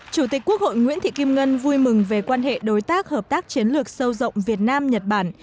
chủ tịch quốc hội nguyễn thị kim ngân vui mừng về quan hệ đối tác hợp tác chiến lược sâu rộng việt nam nhật bản